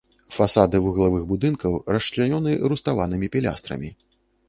Фасады вуглавых будынкаў расчлянёны руставанымі пілястрамі.